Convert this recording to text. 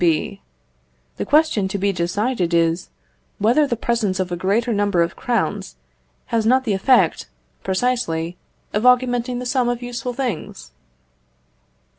B. The question to be decided is, whether the presence of a greater number of crowns has not the effect, precisely, of augmenting the sum of useful things?